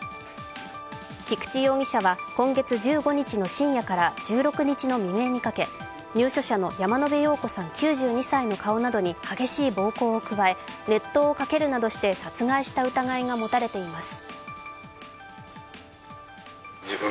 菊池容疑者は、今月１５日の深夜から１６日の未明にかけ、入所者の山野辺陽子さん９２歳の顔などに激しい暴行を加え、熱湯をかけるなどして殺害した疑いが持たれています。